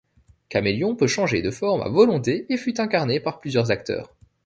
Kamelion peut changer de forme à volonté et fut incarné par plusieurs acteurs.